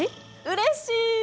うれしい！